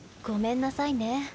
ごめんなさいね。